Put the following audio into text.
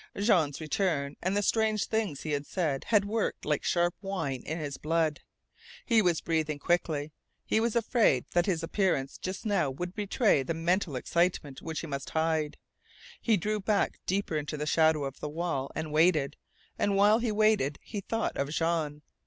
Jean's return and the strange things he had said had worked like sharp wine in his blood. He was breathing quickly. He was afraid that his appearance just now would betray the mental excitement which he must hide. He drew back deeper into the shadow of the wall and waited, and while he waited he thought of Jean.